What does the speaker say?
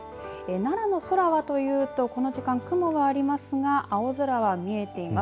奈良の空はというとこの時間、雲がありますが青空は見えています。